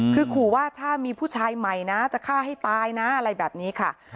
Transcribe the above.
คือขู่ว่าถ้ามีผู้ชายใหม่นะจะฆ่าให้ตายนะอะไรแบบนี้ค่ะ